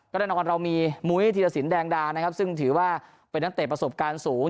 แน่นอนเรามีมุ้ยธีรสินแดงดานะครับซึ่งถือว่าเป็นนักเตะประสบการณ์สูง